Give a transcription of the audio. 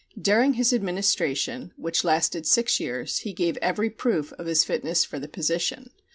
During his administration, which lasted six years, he gave every proof of his fitness for the position.